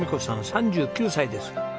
３９歳です。